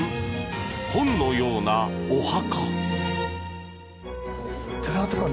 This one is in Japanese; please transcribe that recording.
本のようなお墓？